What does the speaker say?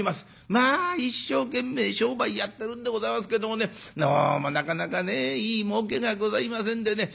まあ一生懸命商売やってるんでございますけどもねどうもなかなかねいいもうけがございませんでね